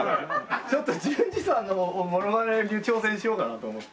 ちょっと純次さんのモノマネに挑戦しようかなと思って。